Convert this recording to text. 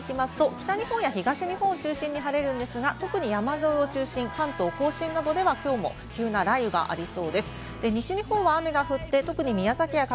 北日本や東日本を中心に晴れるんですが、特に山沿いを中心に関東甲信などでは、きょうも急な雷雨がありそうです。